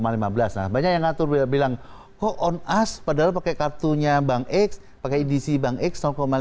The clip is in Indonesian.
nah banyak yang ngatur bilang kok on us padahal pakai kartunya bank x pakai edc bank x lima puluh